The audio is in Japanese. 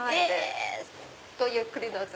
ごゆっくりどうぞ。